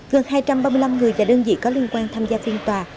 gần hai trăm ba mươi năm người và đơn vị có liên quan tham gia phiên tòa